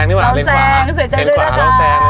หมอเตี๋ยวเราแซงดีกว่าเดี๋ยวเราแซง